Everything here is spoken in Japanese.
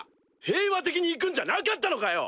平和的に行くんじゃなかったのかよ！